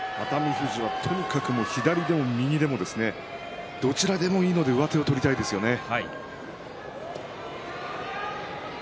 富士はとにかく左でも右でもどちらでもいいので上手を取りたいですよね。